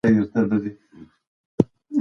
که مینه وي نو راتلونکی نه بندیږي.